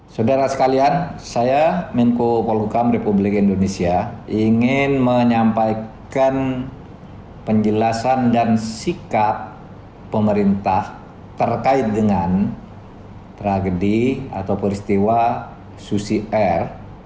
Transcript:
saudara sekalian saya menko polhukam republik indonesia ingin menyampaikan penjelasan dan sikap pemerintah terkait dengan tragedi atau peristiwa susi air